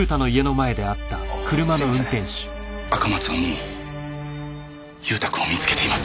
赤松はもう祐太君を見つけています。